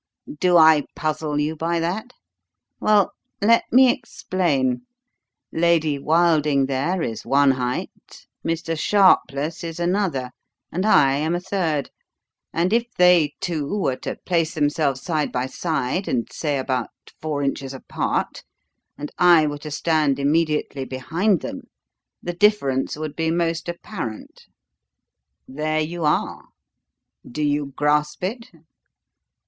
Do I puzzle you by that? Well, let me explain. Lady Wilding there is one height, Mr. Sharpless is another, and I am a third; and if they two were to place themselves side by side and, say, about four inches apart, and I were to stand immediately behind them, the difference would be most apparent. There you are. Do you grasp it?"